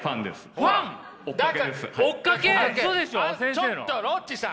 ちょっとロッチさん！